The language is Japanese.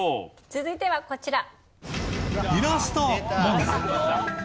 続いてはこちら。